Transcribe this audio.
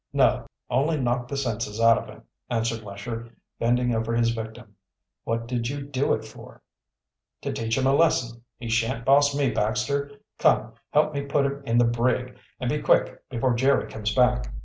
"No; only knocked the senses out of him," answered Lesher, bending over his victim. "What did you do it for?" "To teach him a lesson. He shan't boss me, Baxter. Come, help me put him in the brig, and be quick, before Jerry comes back."